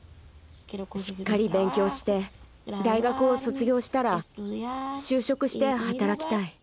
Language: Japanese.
しっかり勉強して大学を卒業したら就職して働きたい。